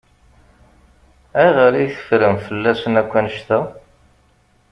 Ayɣer i teffrem fell-asen akk annect-a?